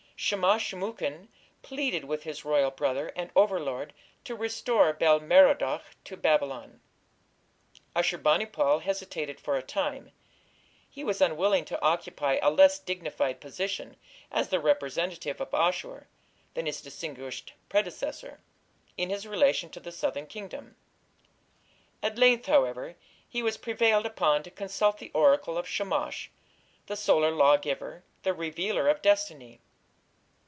Shamash shum ukin pleaded with his royal brother and overlord to restore Bel Merodach to Babylon. Ashur bani pal hesitated for a time; he was unwilling to occupy a less dignified position, as the representative of Ashur, than his distinguished predecessor, in his relation to the southern kingdom. At length, however, he was prevailed upon to consult the oracle of Shamash, the solar lawgiver, the revealer of destiny.